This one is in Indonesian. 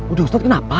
udah ustadz kenapa